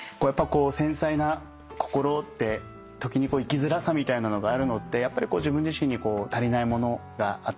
繊細な心って時に生きづらさみたいなのがあるのってやっぱり自分自身にこう足りないものがあったりする。